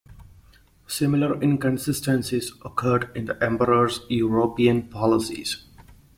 Similar inconsistencies occurred in the emperor's European policies.